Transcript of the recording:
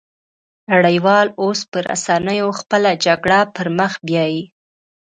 نړۍ وال اوس په رسنيو خپله جګړه پرمخ بيايي